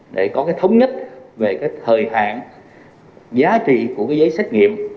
để có cái thống nhất về cái thời hạn giá trị của cái giấy xét nghiệm